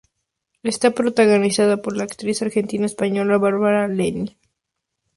Está protagonizada por la actriz argenta- española Bárbara Lennie.